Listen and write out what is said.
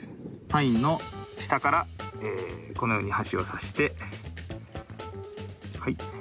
パインの下からこのように箸を刺してはい。